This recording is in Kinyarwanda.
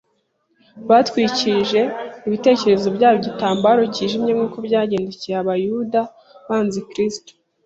batwikirije ibitekerezo byabo igitambaro cyijimye nk’uko byagendekeye Abayuda banze Kristo.